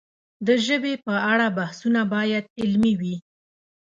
د ژبې په اړه بحثونه باید علمي وي.